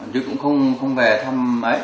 chứ cũng không về thăm